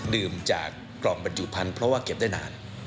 ลืมจากกล่องบัญจุภัณฑ์เพราะว่าเก็บได้นาน